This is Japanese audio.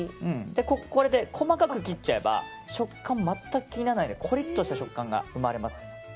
これで細かく切っちゃえば食感、全く気にならないでコリッとした食感が生まれます。